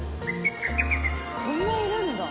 そんないるんだ。